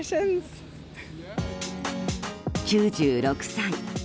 ９６歳。